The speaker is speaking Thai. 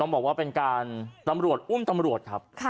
บอกว่าเป็นการตำรวจอุ้มตำรวจครับ